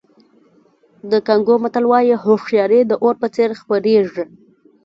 د کانګو متل وایي هوښیاري د اور په څېر خپرېږي.